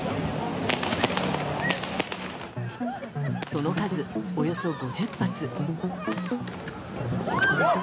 その数およそ５０発。